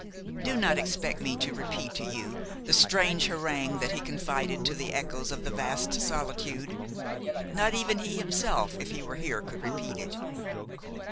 Do not expect me to repeat to you the strange harangue that he confided to the echoes of the vast solitude; not even he himself, if he were here, could repeat it.